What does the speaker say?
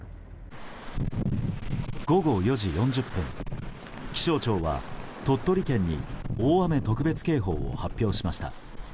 午後４時４０分気象庁は鳥取県に大雨特別警報を発表しました。